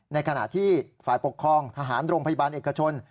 ในขณะที่ฝ่ายปกครองทหารโรงพยาบาลเอกชน